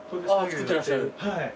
作ってらっしゃる。